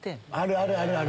あるある！